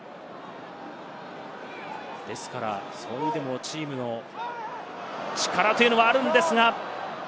ですから、そういう意味でもチームの力というのはあるんですが。